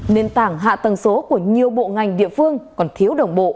nền tảng hạ tầng số của nhiều bộ ngành địa phương còn thiếu đồng bộ